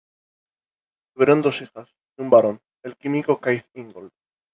Tuvieron dos hijas y un varón, el químico Keith Ingold.